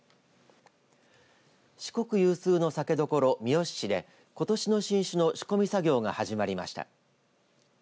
四国有数の酒どころ三好市でことしの新酒の仕込み作業が始まりました。